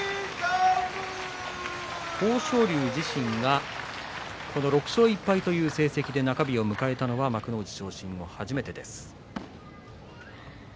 豊昇龍自身がこの６勝１敗という成績で中日を迎えたのは幕内昇進後、初めてです。